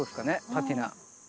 パティナ。